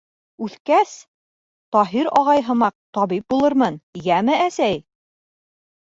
— Үҫкәс, Таһир ағай һымаҡ табип булырмын, йәме, әсәй!